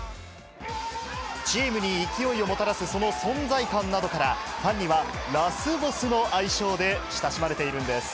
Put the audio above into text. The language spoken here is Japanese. チームに勢いをもたらすその存在感などから、ファンにはラスボスの愛称で親しまれているんです。